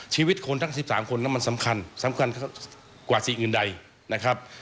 ชีวิตคนทั้ง๑๓คนนั้นมันสำคัญสำคัญกว่าสิ่งอื่นใดนะครับ